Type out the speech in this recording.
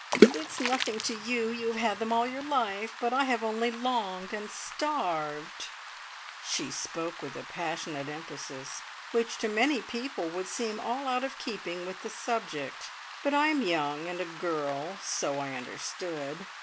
"It's nothing to you. You have had them all your life, but I have only longed and starved!" She spoke with a passionate emphasis, which to many people would seem out of all keeping with the subject; but I am young, and a girl, so I understood.